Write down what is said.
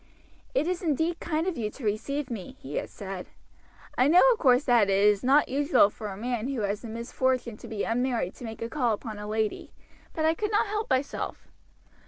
"It is indeed kind of you to receive me," he had said. "I know, of course, that it is not usual for a man who has the misfortune to be unmarried to make a call upon a lady, but I could not help myself.